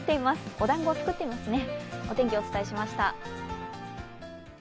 おだんごを作っていますね。